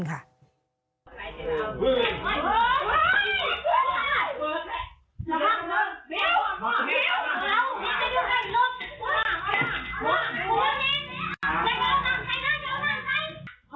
เจ้าต่างใจนะเจ้าต่างใจ